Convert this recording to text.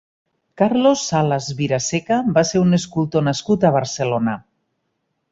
Carlos Salas Viraseca va ser un escultor nascut a Barcelona.